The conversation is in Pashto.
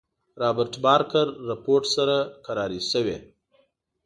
رابرټ بارکر رپوټ سره کراري شوې.